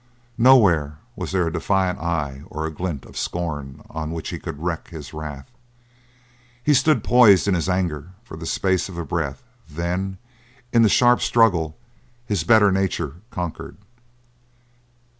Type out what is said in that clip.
Nowhere was there a defiant eye or a glint of scorn on which he could wreak his wrath. He stood poised in his anger for the space of a breath; then, in the sharp struggle, his better nature conquered.